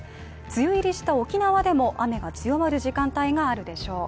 梅雨入りした沖縄でも雨が強まる時間帯があるでしょう。